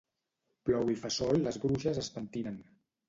Plou i fa sol les bruixes es pentinen